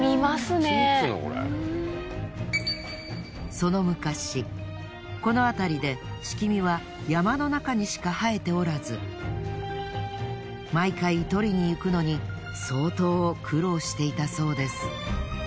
その昔この辺りで樒は山の中にしか生えておらず毎回取りに行くのに相当苦労していたそうです。